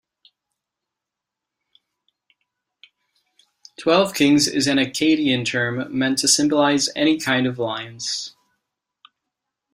"Twelve Kings" is an Akkadian term meant to symbolize any kind of alliance.